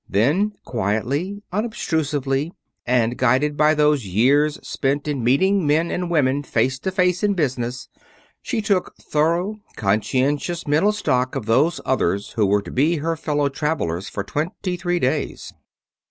Then, quietly, unobtrusively, and guided by those years spent in meeting men and women face to face in business, she took thorough, conscientious mental stock of those others who were to be her fellow travelers for twenty three days.